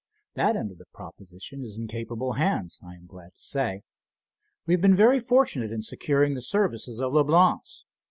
"That end of the proposition is in capable hands, I am glad to say. We have been very fortunate in securing the services of Leblance.